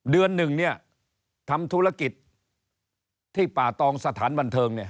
เดือนหนึ่งเนี่ยทำธุรกิจที่ป่าตองสถานบันเทิงเนี่ย